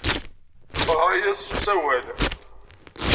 Teɣra-as s usawal.